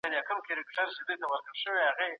د انار استعمال د پوستکي ځلا زیاتوي.